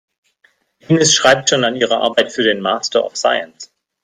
Ines schreibt schon an ihrer Arbeit für den Master of Science.